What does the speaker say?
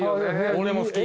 俺も好き。